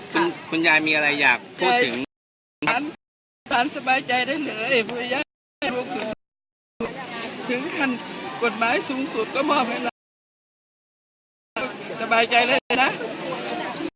คุณยายมีอะไรอยากพูดถึงฉันสบายใจได้เลยถึงขั้นกฎหมายสูงสุดก็มอบให้เราสบายใจได้เลยนะ